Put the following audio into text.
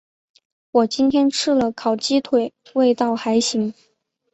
我今天吃了烤鸡腿，味道还行。